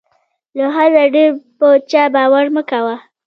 له حده ډېر په چا باور مه کوه.